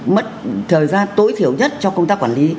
mất thời gian tối thiểu nhất cho công tác quản lý